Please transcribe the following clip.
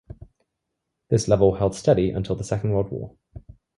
This level held steady until the Second World War.